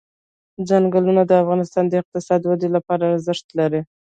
ځنګلونه د افغانستان د اقتصادي ودې لپاره ارزښت لري.